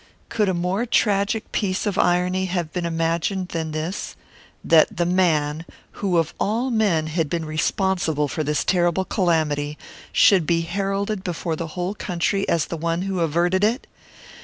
Could a more tragic piece of irony have been imagined than this that the man, who of all men had been responsible for this terrible calamity, should be heralded before the whole country as the one who averted it!